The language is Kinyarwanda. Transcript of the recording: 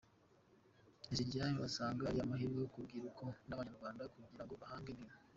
Nteziryayo asanga ari amahirwe ku rubyiruko rw’Abanyarwanda kugira ngo bahange imirimo.